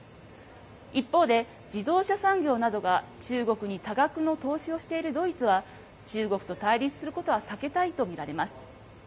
一方で、自動車産業などが中国に多額の投資をしているドイツは、中国と対立することは避けたいと見られます。